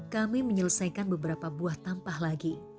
kami menyelesaikan beberapa buah tampah lagi